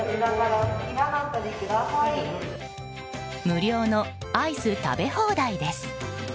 無料のアイス食べ放題です。